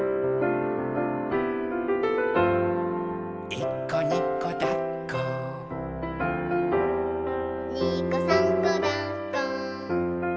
「いっこにこだっこ」「にこさんこだっこ」